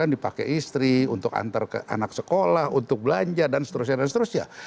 dipakai istri untuk antar ke anak sekolah untuk belanja dan seterusnya